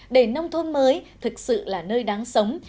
để nông thôn mới thực sự là nơi đáng sống